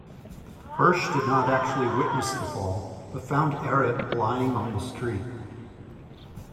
Hirsch did not actually witness the fall but found Ehret lying on the street.